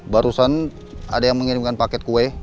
barusan ada yang mengirimkan paket kue